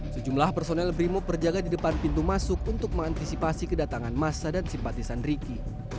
sejumlah personel brimop berjaga di depan pintu masuk untuk mengantisipasi kedatangan masa dan simpatisan riki